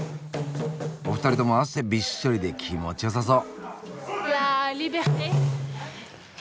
お二人とも汗びっしょりで気持ちよさそう。